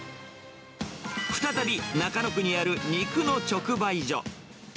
再び、中野区にある肉の直売所。